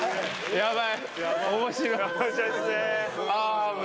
やばい。